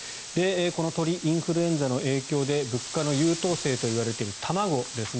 この鳥インフルエンザの影響で物価の優等生といわれている卵ですね